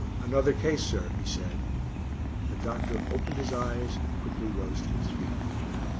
"Another case, sir," he said. The doctor opened his eyes and quickly rose to his feet.